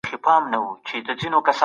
صنعت ولي وده نه کوي؟